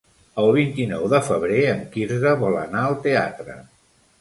El vint-i-nou de febrer en Quirze vol anar al teatre.